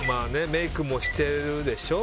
メイクもしてるでしょ。